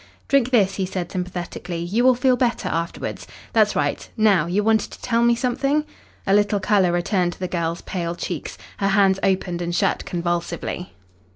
"Drink this," he said sympathetically. "You will feel better afterwards. That's right. Now, you wanted to tell me something." A little colour returned to the girl's pale cheeks. Her hands opened and shut convulsively.